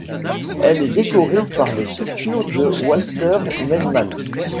Elle est décorée par des sculptures de Walter Mellmann.